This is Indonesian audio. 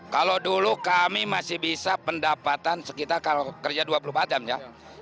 kalau dulu kami masih bisa pendapatan sekitar kalau kerja dua puluh macam ya